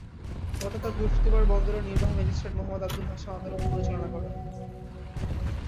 গতকাল বৃহস্পতিবার বন্দরের নির্বাহী ম্যাজিস্ট্রেট মুহাম্মদ আবুল হাশেম আদালত পরিচালনা করেন।